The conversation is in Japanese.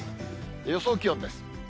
予想気温です。